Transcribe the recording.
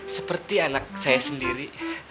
seperti anak saya sendiri